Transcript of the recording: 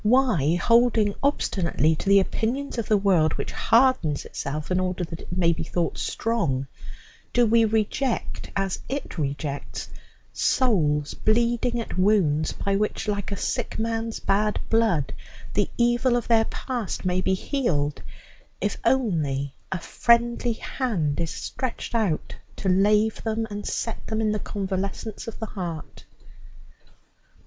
Why, holding obstinately to the opinions of the world, which hardens itself in order that it may be thought strong, do we reject, as it rejects, souls bleeding at wounds by which, like a sick man's bad blood, the evil of their past may be healed, if only a friendly hand is stretched out to lave them and set them in the convalescence of the heart?